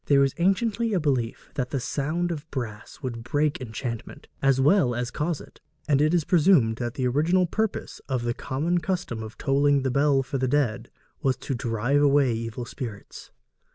There was anciently a belief that the sound of brass would break enchantment, as well as cause it; and it is presumed that the original purpose of the common custom of tolling the bell for the dead was to drive away evil spirits.